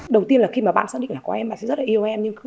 đầu tiên là khi mà bạn xác định là có em bạn sẽ rất là yêu em